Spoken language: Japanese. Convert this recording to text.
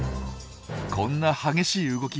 こんな激しい動き